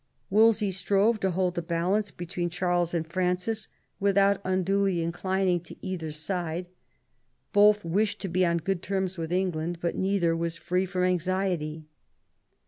Wolsey strove to hold the balance between Charles and Francis without imduly inclining to either side. Both wished to be on good terms with England, for neither was free from anxiety.